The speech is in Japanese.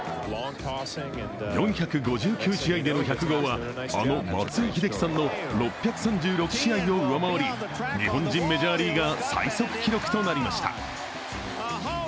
４５９試合での１００号はあの松井秀喜さんの６３６試合を上回り日本人メジャーリーガー最速記録となりました。